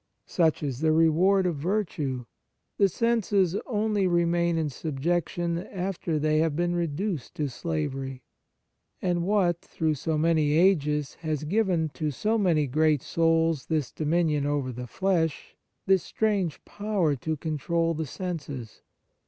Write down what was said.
Such is the reward of virtue ; the senses only remain in subjection after they have been reduced to slavery. And what, through so many ages, has given to so many great souls 123 On Piety this dominion over the flesh, this strange power to control the senses